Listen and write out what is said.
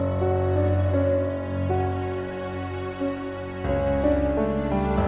buat kang ujang juga bakal dateng